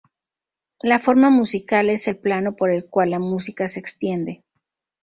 La forma musical es el plano por el cual la música se extiende.